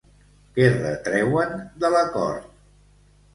Què retreuen de l'acord?